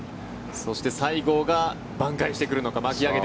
そして西郷がばん回してくるのか。